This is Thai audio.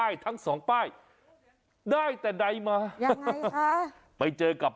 ยังไงคะ